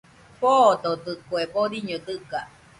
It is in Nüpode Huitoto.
Foododɨkue, boriño dɨga